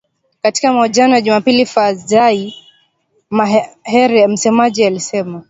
Katika mahojiano ya Jumapili Fadzayi Mahere msemaji wa alisema